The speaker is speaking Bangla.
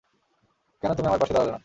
কেন তুমি আমার পাশে দাঁড়ালে না?